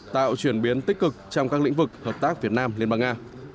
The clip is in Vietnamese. tạo chuyển biến tích cực trong các lĩnh vực hợp tác việt nam liên bang nga